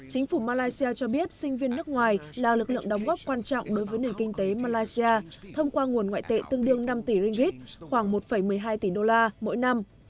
chính phủ malaysia cho biết sinh viên nước ngoài là lực lượng đóng góp quan trọng đối với nền kinh tế malaysia thông qua nguồn ngoại tệ tương đương năm tỷ ringgit khoảng một một mươi hai tỷ đô la mỗi năm